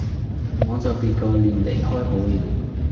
我就別過臉離開好了